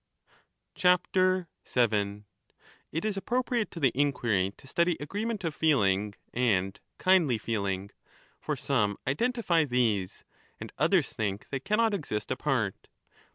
7 It is appropriate to the inquiry to study agreement of 1241* feeling and kindly feeling ; for some identify these, and others think they cannot exist apart.